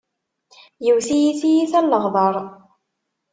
Yewwet-iyi tiyita n leɣder.